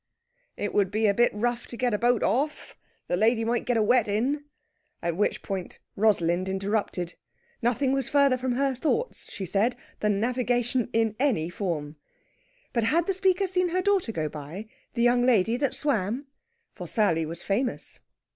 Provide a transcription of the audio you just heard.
It would be a bit rough to get a boat off the lady might get a wetting.... At which point Rosalind interrupted. Nothing was further from her thoughts, she said, than navigation in any form. But had the speaker seen her daughter go by the young lady that swam? For Sally was famous.